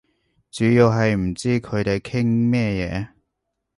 主要係唔知佢哋傾乜嘢